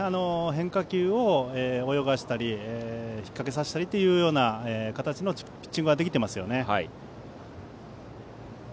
変化球を泳がせたり引っ掛けさせたりという形のピッチングができていますね。